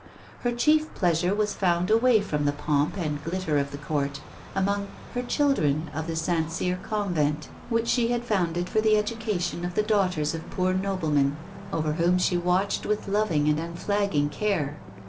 Her chief pleasure was found away from the pomp and glitter of the Court, among "her children" of the Saint Cyr Convent, which she had founded for the education of the daughters of poor noblemen, over whom she watched with loving and unflagging care.